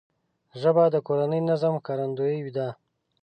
ژبه د کورني نظم ښکارندوی ده